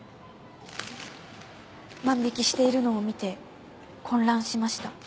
万引しているのを見て混乱しました。